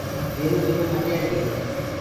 ميرو جِلو مٽياريٚ هي